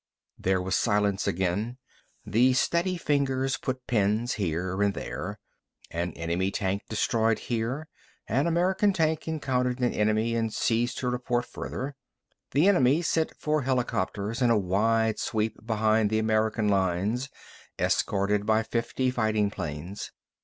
There was silence again. The steady fingers put pins here and there. An enemy tank destroyed here. An American tank encountered an enemy and ceased to report further. The enemy sent four helicopters in a wide sweep behind the American lines, escorted by fifty fighting planes.